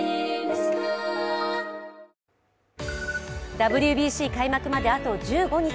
ＷＢＣ開幕まであと１５日。